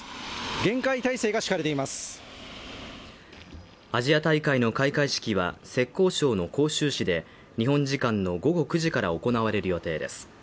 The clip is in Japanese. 厳戒態勢が敷かれていますアジア大会の開会式は浙江省の杭州市で日本時間の午後９時から行われる予定です